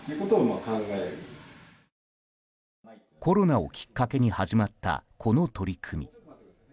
コロナをきっかけに始まったこの取り組み。